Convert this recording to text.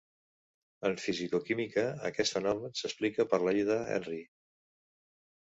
En fisicoquímica, aquest fenomen s'explica per la Llei de Henry.